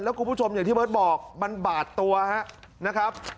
คุณผู้ชมอย่างที่เบิร์ตบอกมันบาดตัวนะครับ